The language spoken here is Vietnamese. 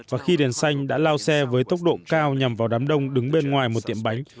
và khi đèn xanh đã lao xe với tốc độ cao nhằm vào đám đông đứng bên ngoài một tiệm bánh